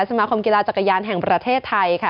สมาคมกีฬาจักรยานแห่งประเทศไทยค่ะ